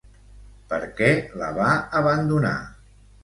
Per què la va abandonar?